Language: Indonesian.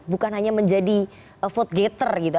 bukan hanya menjadi vote gator gitu